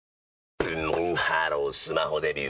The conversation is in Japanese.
ブンブンハロースマホデビュー！